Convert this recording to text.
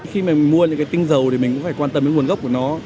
khi mà mua những cái tinh dầu thì mình cũng phải quan tâm đến nguồn gốc của nó